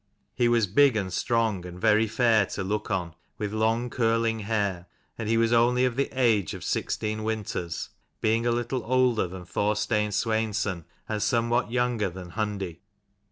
He was big and strong, and very fair to look on, with long curling hair : and he was only of the age of sixteen winters, being a little older than Thorstein Sweinson and somewhat younger than Hundi.